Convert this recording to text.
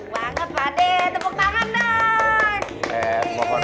banget pak deh tepuk tangan dong